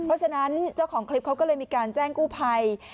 เพราะฉะนั้นเจ้าของคลิปเขาก็เลยมีการแจ้งกู้ภัย